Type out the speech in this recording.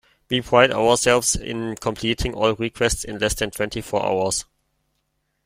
We pride ourselves in completing all requests in less than twenty four hours.